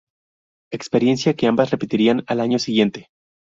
Experiencia que ambas repetirían al año siguiente.